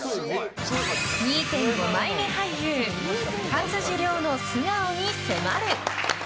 ２．５枚目俳優勝地涼の素顔に迫る！